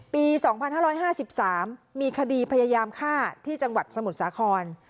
ปี๒๕๕๓มีคดีพยายามฆ่าที่จังหวัดสมุทรสาคร